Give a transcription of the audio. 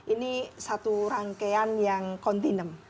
ini satu rangkaian yang kontinem